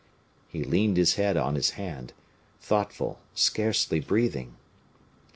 He leaned his head on his hand, thoughtful, scarcely breathing.